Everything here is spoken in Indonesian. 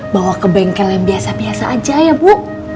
bawa ke bengkel yang biasa biasa aja ya bu